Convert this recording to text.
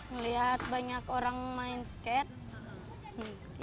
ngelihat banyak orang main skate